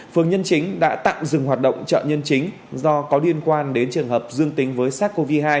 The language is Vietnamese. phường nhân chính đã tạm dừng hoạt động chợ nhân chính do có liên quan đến trường hợp dương tính với sars cov hai